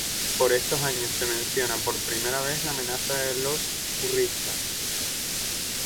Por estos años se menciona por primera vez la amenaza de los hurritas.